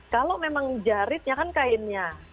kalau memang jaritnya kan kainnya